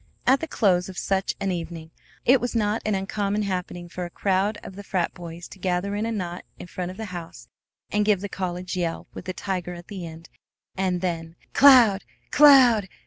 At the close of such an evening it was not an uncommon happening for a crowd of the frat boys to gather in a knot in front of the house and give the college yell, with a tiger at the end, and then "CLOUD! CLOUD!